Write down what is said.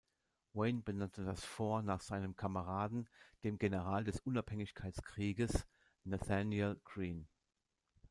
Wayne benannte das Fort nach seinem Kameraden, dem General des Unabhängigkeitskrieges Nathanael Greene.